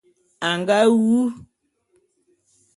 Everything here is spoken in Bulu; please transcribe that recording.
A nga wu.